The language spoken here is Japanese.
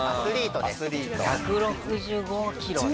１６５キロね。